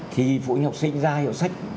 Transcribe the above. thì phụ học sinh ra hiệu sách